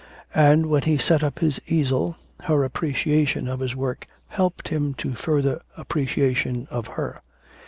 And when he set up his easel her appreciation of his work helped him to further appreciation of her.